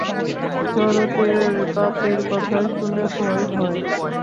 শরতের বাতের কথা শুনে ভয় হয়।